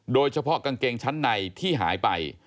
โดยเฉพาะกางเกงชั้นในที่หายไป